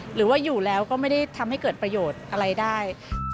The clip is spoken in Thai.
หรือว่าอยู่แล้วก็ไม่ได้ทำให้เกิดประโยชน์อะไรได้